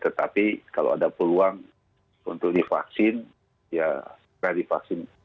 tetapi kalau ada peluang untuk divaksin ya segera divaksin